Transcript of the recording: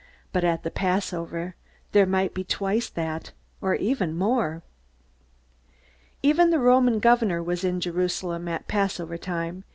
But at the Passover there might be twice that, or even more. Even the Roman governor was in Jerusalem at Passover time.